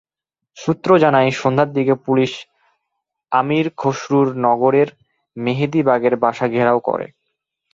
সূত্র জানায়, সন্ধ্যার দিকে পুলিশ আমীর খসরুর নগরের মেহেদীবাগের বাসা ঘেরাও করে।